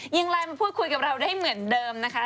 ยังไลน์มาพูดคุยกับเราได้เหมือนเดิมนะคะ